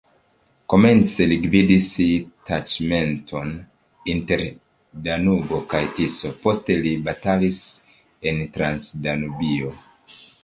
Komence li gvidis taĉmenton inter Danubo kaj Tiso, poste li batalis en Transdanubio.